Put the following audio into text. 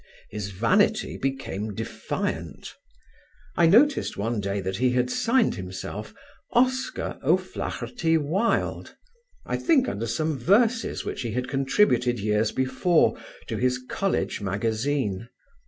His vanity became defiant. I noticed one day that he had signed himself, Oscar O'Flahertie Wilde, I think under some verses which he had contributed years before to his College magazine.